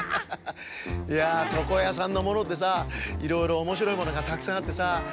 ハハハハハいやとこやさんのものってさいろいろおもしろいものがたくさんあってさ